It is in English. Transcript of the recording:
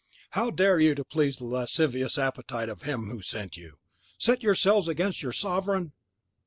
How dare you, to please the lascivious appetite of him who sent you, set yourselves against your sovereign?"